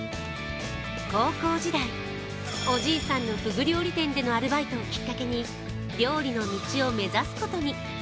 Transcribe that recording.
高校時代、おじいさんのふぐ料理店でのアルバイトをきっかけに料理の道を目指すことに。